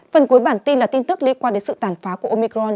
phần cuối bản tin là tin tức liên quan đến sự tàn phá của omicron